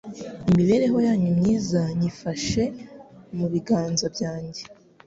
Imebereho yanyu myiza nyifashe mu biganza byanjye